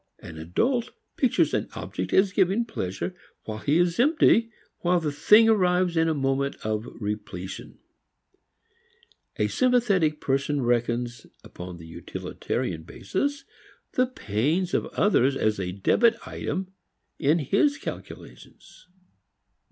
An adult pictures an object as giving pleasure while he is empty while the thing arrives in a moment of repletion. A sympathetic person reckons upon the utilitarian basis the pains of others as a debit item in his calculations.